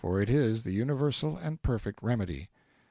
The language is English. it is the universal and perfect remedy.'